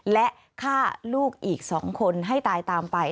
และฆ่าลูกอีก๒คนให้ตายตามไป